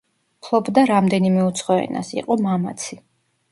ფლობდა რამდენიმე უცხო ენას, იყო მამაცი.